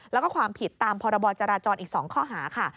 แล้วก็ความผิดตามพรบจราจรอีก๒ข้อหาค่ะ